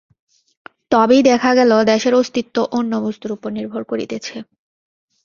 তবেই দেখা গেল, দেশের অস্তিত্ব অন্য বস্তুর উপর নির্ভর করিতেছে।